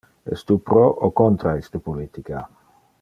Es tu pro o contra iste politica?